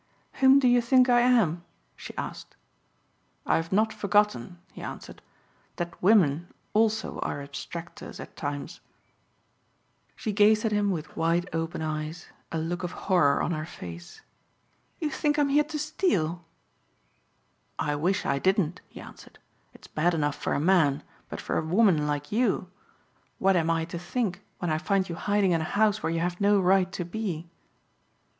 "Whom do you think I am?" she asked. "I have not forgotten," he answered, "that women also are abstractors at times." She gazed at him wide open eyes, a look of horror on her face. "You think I'm here to steal?" "I wish I didn't," he answered. "It's bad enough for a man, but for a woman like you. What am I to think when I find you hiding in a house where you have no right to be?"